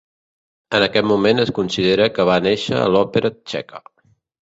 En aquest moment es considera que va néixer l'òpera txeca.